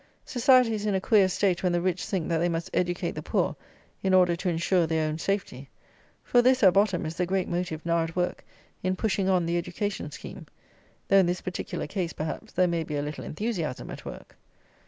Society is in a queer state when the rich think, that they must educate the poor in order to insure their own safety: for this, at bottom, is the great motive now at work in pushing on the education scheme, though in this particular case, perhaps, there may be a little enthusiasm at work.